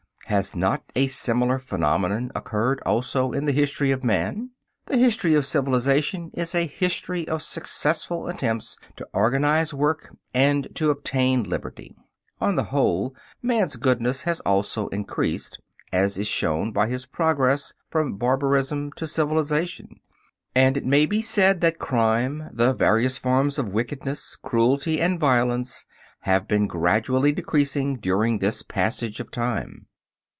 Has not a similar phenomenon occurred also in the history of man? The history of civilization is a history of successful attempts to organize work and to obtain liberty. On the whole, man's goodness has also increased, as is shown by his progress from barbarism to civilization, and it may be said that crime, the various forms of wickedness, cruelty and violence have been gradually decreasing during this passage of time.